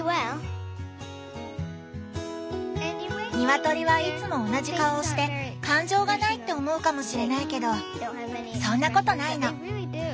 ニワトリはいつも同じ顔をして感情がないって思うかもしれないけどそんなことないの。